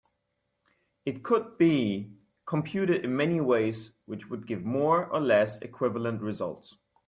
It could be computed in many ways which would give more or less equivalent results.